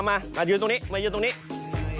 มายืนตรงนี้มายืนตรงนี้